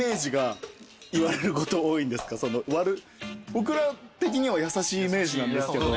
僕ら的には優しいイメージなんですけど。